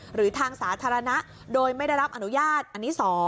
หรือทางสาธารณะโดยไม่ได้รับอนุญาตอันนี้๒